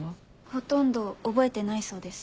ほとんど覚えてないそうです。